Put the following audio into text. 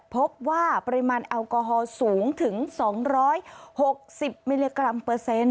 พบว่าปริมาณแอลกอฮอลสูงถึง๒๖๐มิลลิกรัมเปอร์เซ็นต์